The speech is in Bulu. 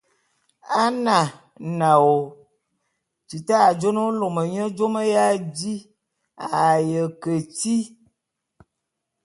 A na, naôô ! Tita a jô na ô lôme nye jôme ya di a ye keti.